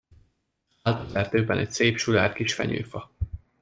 Állt az erdőben egy szép, sudár kis fenyőfa.